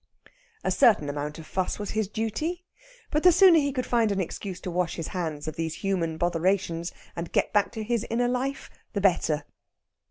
A certain amount of fuss was his duty; but the sooner he could find an excuse to wash his hands of these human botherations and get back to his inner life the better.